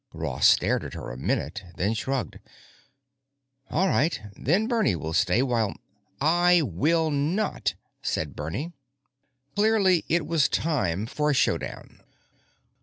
Ross stared at her a minute, then shrugged. "All right. Then Bernie will stay while——" "I will not!" said Bernie. Clearly it was time for a showdown.